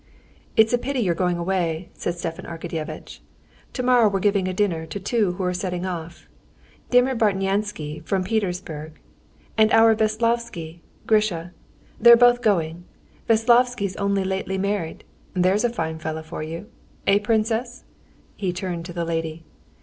"It's a pity you're going away," said Stepan Arkadyevitch. "Tomorrow we're giving a dinner to two who're setting off—Dimer Bartnyansky from Petersburg and our Veslovsky, Grisha. They're both going. Veslovsky's only lately married. There's a fine fellow for you! Eh, princess?" he turned to the lady.